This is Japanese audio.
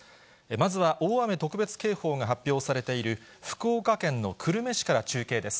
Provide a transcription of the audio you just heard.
まずは大雨特別警報が発表されている福岡県の久留米市から中継です。